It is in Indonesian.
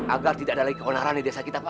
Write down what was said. agar tidak ada lagi keonaran di desa kita pak